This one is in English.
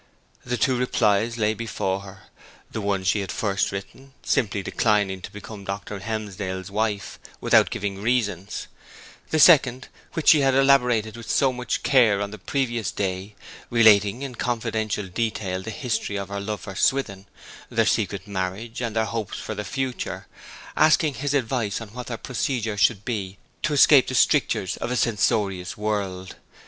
The two replies lay before her the one she had first written, simply declining to become Dr. Helmsdale's wife, without giving reasons; the second, which she had elaborated with so much care on the previous day, relating in confidential detail the history of her love for Swithin, their secret marriage, and their hopes for the future; asking his advice on what their procedure should be to escape the strictures of a censorious world.